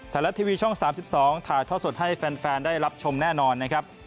ไทยรัฐทีวีช่อง๓๒ถ่ายท่อสดให้แฟนได้รับชมแน่นอนนะครับ